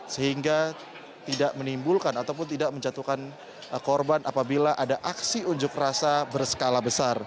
sehingga tidak menimbulkan ataupun tidak menjatuhkan korban apabila ada aksi unjuk rasa berskala besar